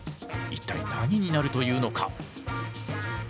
一体何になるというのか？